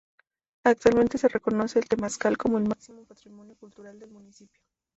Actualmente se reconoce el Temazcal como el máximo patrimonio cultural del municipio.